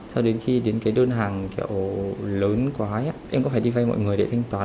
sau đến khi đến cái đơn hàng kiểu lớn quá em có phải đi vay mọi người để thanh toán